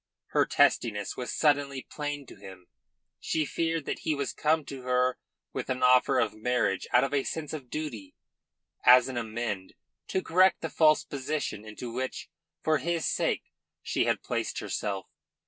Her testiness was suddenly plain to him. She feared that he was come to her with an offer of marriage out of a sense of duty, as an amende, to correct the false position into which, for his sake, she had placed herself.